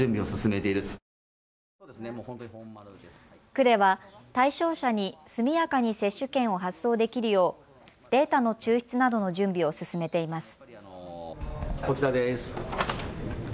区では対象者に速やかに接種券を発送できるようデータの抽出などの準備を進めています。